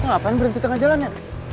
bagaimana ini berhenti tengah jalannya